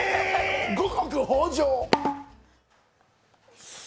五穀豊穣！